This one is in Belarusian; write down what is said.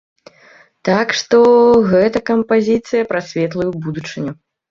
Так што, гэта кампазіцыя пра светлую будучыню!